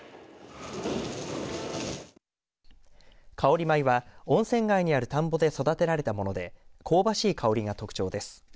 香り米は温泉街にある田んぼで育てられたもので香ばしい香りが特徴です。